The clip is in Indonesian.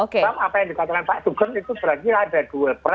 karena apa yang dikatakan pak sugeng itu berarti ada dual price